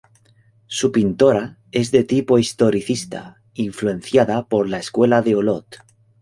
Su pintura es de tipo historicista, influenciada por la Escuela de Olot.